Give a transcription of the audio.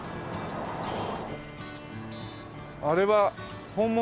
あれは本物？